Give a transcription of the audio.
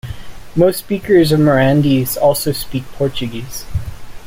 Most speakers of Mirandese also speak Portuguese.